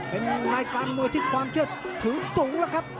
เป็นนายการมวยที่ความเชื่อถือสูง